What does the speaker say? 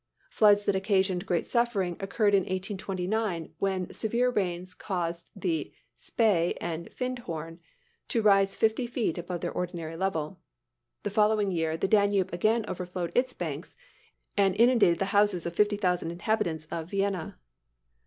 Floods that occasioned great suffering occurred in 1829, when severe rains caused the Spey and Findhorn to rise fifty feet above their ordinary level. The following year the Danube again overflowed its banks, and inundated the houses of 50,000 inhabitants of Vienna."